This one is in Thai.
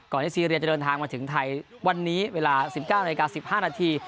ก่อนที่ซีเรียจะเดินทางมาถึงไทยวันนี้๑๙นาที๑๕นาที